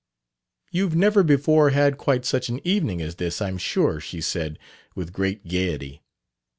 "You've never before had quite such an evening as this, I'm sure!" she said, with great gaiety.